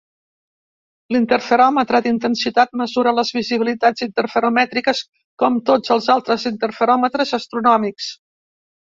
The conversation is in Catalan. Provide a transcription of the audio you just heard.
L'interferòmetre d'intensitat mesura les visibilitats interferomètriques com tots els altres interferòmetres astronòmics.